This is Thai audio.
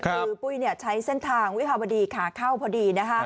คือปุ้ยใช้เส้นทางวิภาวดีขาเข้าพอดี